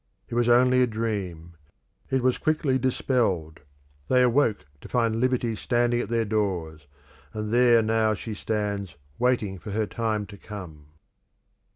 It was only a dream; it was quickly dispelled; they awoke to find Liberty standing at their doors; and there now she stands waiting for her time to come.